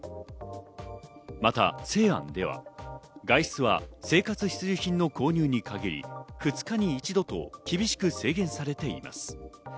また西安では、外出は生活必需品の購入に限り２日に一度と厳しく制限されています。